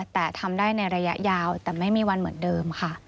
แต่ทำได้ในระยะยาวแต่ไม่มีวันเหมือนเดิมค่ะ